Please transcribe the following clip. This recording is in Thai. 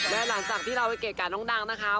และหลังจากที่เราไปเกะกะน้องดังนะคะ